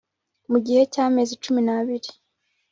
mu gihe cy amezi cumi n abiri